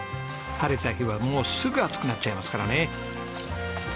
晴れた日はもうすぐ暑くなっちゃいますからね。